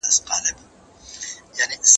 زه به مړۍ خوړلي وي،